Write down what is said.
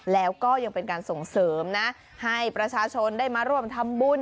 แล้วก็ยังเป็นการส่งเสริมนะให้ประชาชนได้มาร่วมทำบุญ